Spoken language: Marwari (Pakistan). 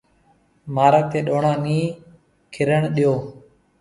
مارگ تي ڏوڻا نِي کرڻ ڏيو۔